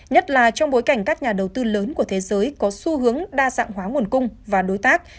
nhất là trong bối cảnh các nhà đầu tư lớn của thế giới có xu hướng đa dạng hóa nguồn cung và đối tác